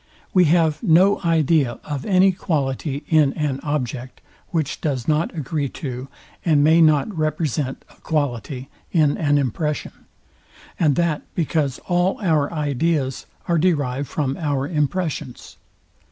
We have no idea of any quality in an object, which does not agree to, and may not represent a quality in an impression; and that because all our ideas are derived from our impressions.